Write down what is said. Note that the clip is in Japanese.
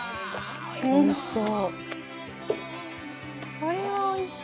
「それはおいしい」